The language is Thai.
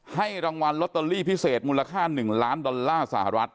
ให้รางวัลลอตเตอรี่พิเศษมูลค่า๑ล้านดอลลาร์สหรัฐ